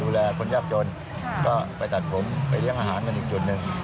ดูแลคนยากจนก็ไปตัดผมไปเลี้ยงอาหารกันอีกจุดหนึ่ง